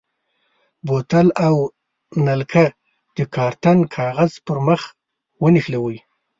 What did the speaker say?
بوتل او نلکه د کارتن کاغذ پر مخ ونښلوئ.